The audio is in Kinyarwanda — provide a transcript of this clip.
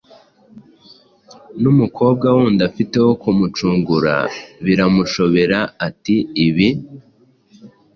numukobwa wundi afite wo kumucungura. Biramushobera ati: “Ibi